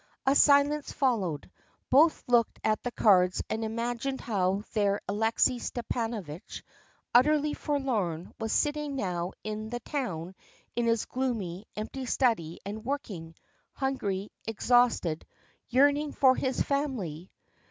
A silence followed. Both looked at the cards and imagined how their Alexey Stepanovitch, utterly forlorn, was sitting now in the town in his gloomy, empty study and working, hungry, exhausted, yearning for his family.